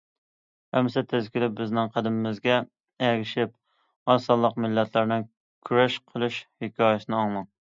ئەمسە تېز كېلىپ بىزنىڭ قەدىمىمىزگە ئەگىشىپ، ئاز سانلىق مىللەتلەرنىڭ كۈرەش قىلىش ھېكايىسىنى ئاڭلاڭ!